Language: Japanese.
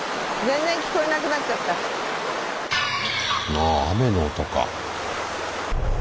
ああ雨の音か。